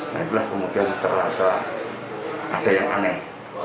nah itulah kemudian terasa ada yang aneh